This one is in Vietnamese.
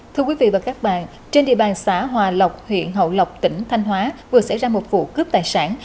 thưa quý vị và các bạn trên địa bàn xã hòa lộc huyện hậu lộc tỉnh thanh hóa vừa xảy ra một vụ cướp tài sản